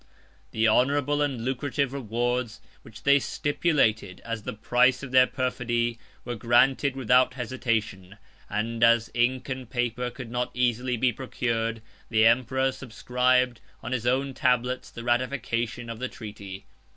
The honorable and lucrative rewards, which they stipulated as the price of their perfidy, were granted without hesitation; and as ink and paper could not easily be procured, the emperor subscribed, on his own tablets, the ratification of the treaty.